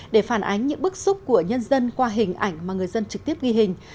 để phản ánh những bức xúc của nhân dân qua hình ảnh mà người dân trực tiếp ghi hình